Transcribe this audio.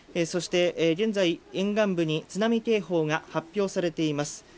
そして現在、沿岸部に津波警報が発表されています。